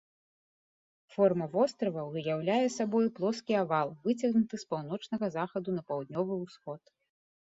Форма вострава ўяўляе сабою плоскі авал, выцягнуты з паўночнага захаду на паўднёвы ўсход.